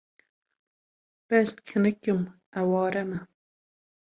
Bejn kinik im, eware me.